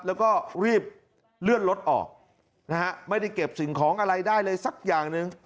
แล้วก็รีบเลื่อนรถออกนะฮะไม่ได้เก็บสิ่งของอะไรได้เลยสักอย่างหนึ่ง